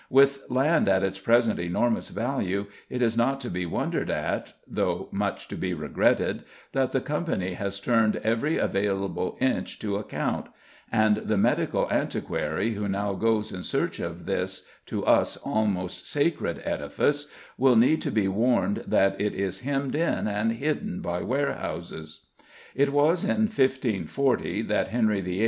With land at its present enormous value, it is not to be wondered at, though much to be regretted, that the Company has turned every available inch to account; and the medical antiquary who now goes in search of this, to us, almost sacred edifice, will need to be warned that it is hemmed in and hidden by warehouses. It was in 1540 that Henry VIII.